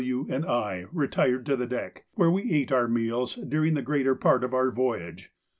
W., and I retired to the deck, where we ate our meals during the greater part of our voyage.